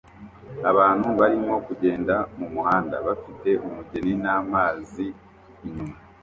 Abantu barimo kugenda mumuhanda bafite umugeni namazi inyuma